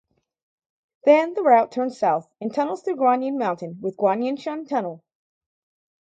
Then the route turns south and tunnels through Guanyin Mountain with Guanyinshan Tunnel.